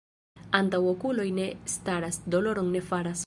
Antaŭ okuloj ne staras, doloron ne faras.